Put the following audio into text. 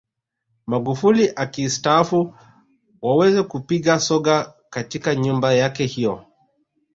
Magufuli akistaafu waweze kupiga soga katika nyumba yake hiyo